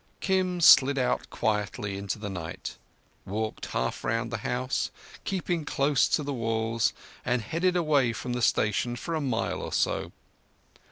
Kim slid out quietly into the night, walked half round the house, keeping close to the walls, and headed away from the station for a mile or so.